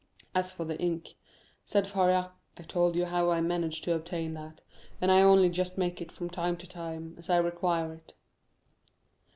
"As for the ink," said Faria, "I told you how I managed to obtain that—and I only just make it from time to time, as I require it."